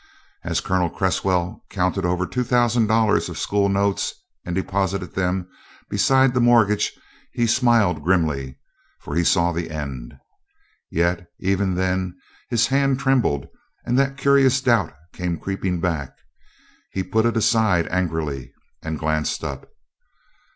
As Colonel Cresswell counted over two thousand dollars of school notes and deposited them beside the mortgage he smiled grimly for he saw the end. Yet, even then his hand trembled and that curious doubt came creeping back. He put it aside angrily and glanced up.